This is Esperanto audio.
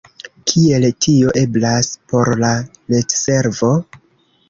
Kiel tio eblas, por la retservo?